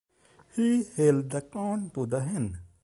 He held the corn to the hen.